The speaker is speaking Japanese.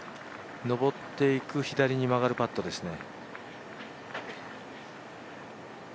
上っていく左に曲がるパットですね。